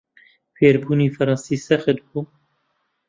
فێربوونی فەڕەنسی سەخت بوو.